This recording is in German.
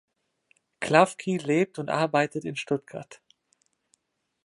Klafki lebt und arbeitet in Stuttgart.